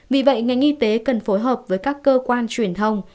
vì vậy ngành y tế cần phối hợp với các cơ quan truyền thông